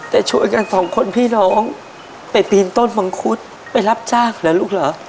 แต่ชวนกันสองคนพี่น้องไปปีนต้นมังคุดไปรับจ้างเหรอลูกเหรอ